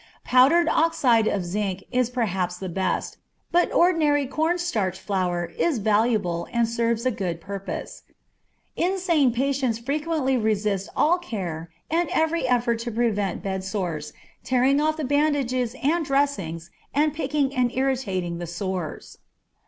Powdered oxide of zinc is perhaps the best, but ordinary corn starch flour is valuable and serves a good purpose. Insane patients frequently will resist all care and every effort to prevent bed sores, tearing off the bandages and dressings and picking and irritating the sores.